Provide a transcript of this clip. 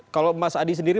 kalau mas adi sendiri